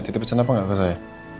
titip pencet apa nggak ke saya